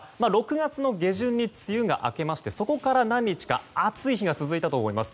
６月下旬に梅雨明けしましてそこから何日か暑い日が続いたと思います。